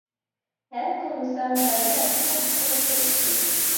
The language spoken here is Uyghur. ھەل قىلمىسام جايىدا، چاتاق ئىكەن بۇ ئىشىم.